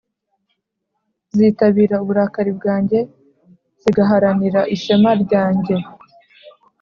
zitabira uburakari bwanjye, zigaharanira ishema ryanjye.